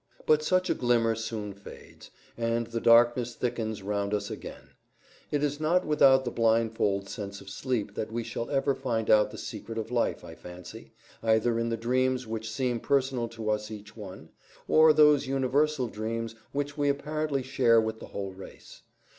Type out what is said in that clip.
But such a glimmer soon fades, and the darkness thickens round us again. It is not with the blindfold sense of sleep that we shall ever find out the secret of life, I fancy, either in the dreams which seem personal to us each one, or those universal dreams which we apparently share with the whole race.